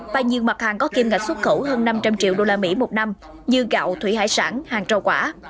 và nhiều mặt hàng có kim ngạch xuất khẩu hơn năm trăm linh triệu usd một năm như gạo thủy hải sản hàng rau quả